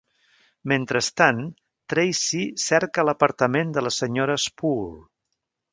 Mentrestant, Tracy cerca l'apartament de la Sra. Spool.